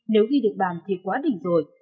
nếu ghi được bàn thì quá đỉnh rồi